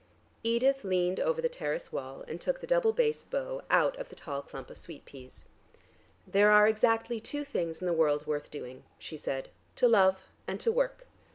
Edith leaned over the terrace wall, and took the double bass bow out of the tall clump of sweet peas. "There are exactly two things in the world worth doing," she said, "to love and to work.